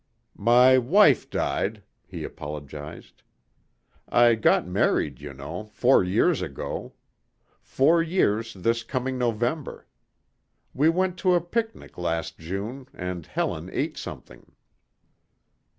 "My wife died," he apologized. "I got married, you know, four years ago. Four years this coming November. We went to a picnic last June and Helen ate something."